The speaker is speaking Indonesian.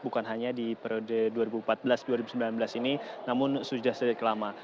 bukan hanya di periode dua ribu empat belas dua ribu sembilan belas ini namun sudah sejak lama